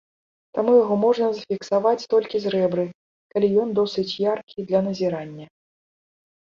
Таму яго можна зафіксаваць толькі з рэбры, калі ён досыць яркі для назірання.